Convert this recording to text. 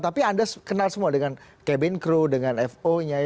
tapi anda kenal semua dengan cabin crew dengan fo nya